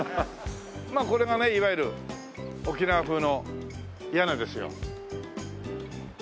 これがねいわゆる沖縄風の屋根ですよ。